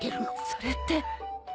それって！